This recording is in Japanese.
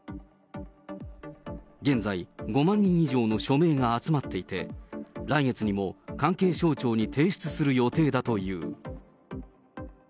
現在、５万人以上の署名が集まっていて、来月にも関係省庁に提出する予定だという。